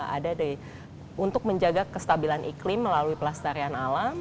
ada untuk menjaga kestabilan iklim melalui pelestarian alam